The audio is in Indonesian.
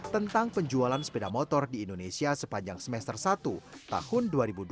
tentang penjualan sepeda motor di indonesia sepanjang semester satu tahun dua ribu dua puluh